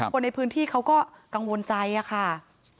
คนในพื้นที่เขาก็กังวลใจค่ะ